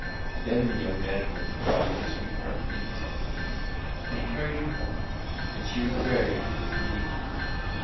Then the young man lifted the body of his sweetheart in his arms, and carried her home, and she was buried with many tears.